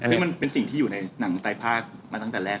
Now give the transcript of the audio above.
ซึ่งมันเป็นสิ่งที่อยู่ในหนังไตรภาคมาตั้งแต่แรก